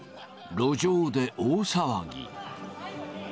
路上で、大騒ぎ。